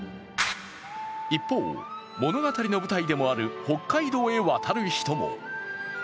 一方、物語の舞台でもある北海道へ渡る人も。